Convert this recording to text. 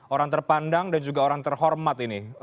orang terpandang dan juga orang terhormat ini